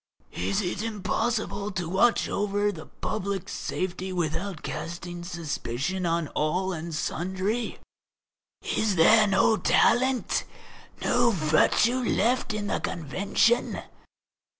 Is it impossible to watch over the public safety without casting suspicion on all and sundry? Is there no talent, no virtue left in the Convention?